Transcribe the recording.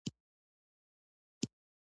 هغه د پاخه عمر سړی وو.